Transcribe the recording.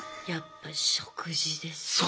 やっぱ食事ですよ。